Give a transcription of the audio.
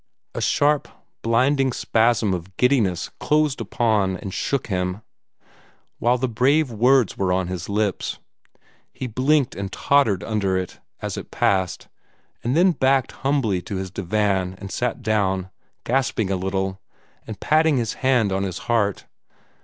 A sharp, blinding spasm of giddiness closed upon and shook him, while the brave words were on his lips. He blinked and tottered under it, as it passed, and then backed humbly to his divan and sat down, gasping a little, and patting his hand on his heart.